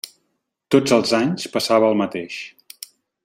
Tots els anys passava el mateix.